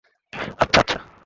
আচ্ছা, আচ্ছা।